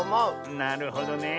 なるほどねえ。